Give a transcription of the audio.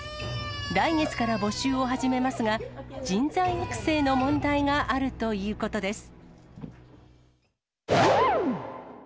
来月から募集を始めますが、人材育成の問題があるということです。